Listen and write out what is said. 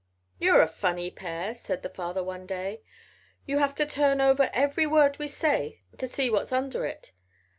"You're a funny pair," said their father one day. "You have to turn over every word we say to see what's under it.